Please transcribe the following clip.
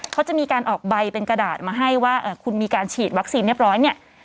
เขาจะมีการออกใบเป็นกระดาษมาให้ว่าคุณมีการฉีดวัคซีนเรียบร้อยเนี่ย